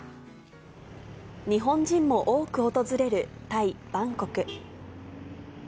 日本人も多く訪れるタイ・バンコク。